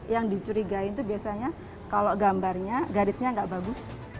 yang dicurigai itu biasanya kalau gambarnya garisnya nggak bagus